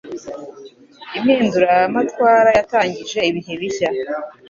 Impinduramatwara yatangije ibihe bishya.